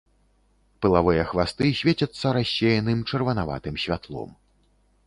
Пылавыя хвасты свецяцца рассеяным чырванаватым святлом.